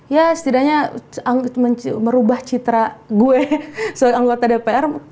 ya setidaknya merubah citra gue sebagai anggota dpr